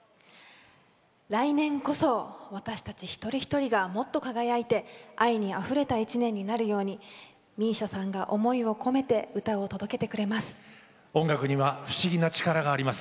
来年こそ私たち一人一人がもっと輝いて愛にあふれた１年になるようにＭＩＳＩＡさんが思いを込めて歌を届けてくれます。